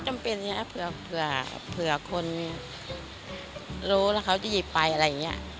จำเป็นอย่างนี้เผื่อคนรู้แล้วเขาจะหยิบไปอะไรอย่างนี้